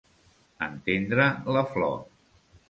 Entendre la flor.